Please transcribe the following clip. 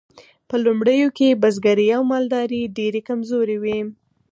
په لومړیو کې بزګري او مالداري ډیرې کمزورې وې.